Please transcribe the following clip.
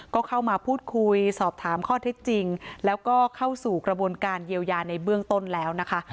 ก็เข้ามาพูดคุยสอบถามข้อเท็จจริงแล้วก็เข้าสู่กระบวนการเยียวยาในเบื้องต้นแล้วนะคะ